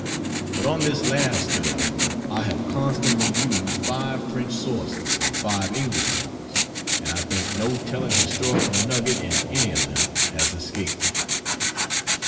But on this last third I have constantly used five French sources and five English ones and I think no telling historical nugget in any of them has escaped me.